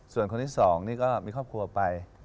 ส่วนคนที่๒นี่ก็มีครอบครัวไป